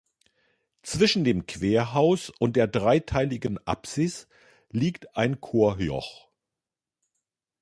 Zwischen dem Querhaus und der dreiteiligen Apsis liegt ein Chorjoch.